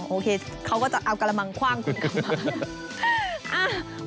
โอเคเขาก็จะเอากระมังคว่างคุณกลับมา